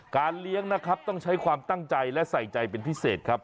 เลี้ยงนะครับต้องใช้ความตั้งใจและใส่ใจเป็นพิเศษครับ